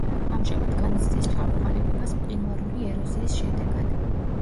ამჟამად განიცდის ჩამოყალიბებას მყინვარული ეროზიის შედეგად.